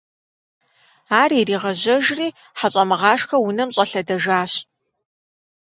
Ар иригъэжьэжри, ХьэщӀэмыгъашхэ унэм щӀэлъэдэжащ.